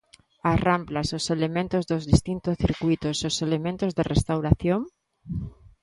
¿As ramplas, os elementos dos distintos circuítos, os elementos de restauración?